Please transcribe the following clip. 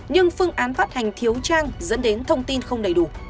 nhưng phương án phát hành thiếu trang dẫn đến thông tin không đầy đủ